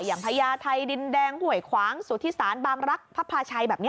อย่างพญาไทยดินแดงห่วยขวางสุทธิศาสตร์บามรักภาพพาชัยแบบนี้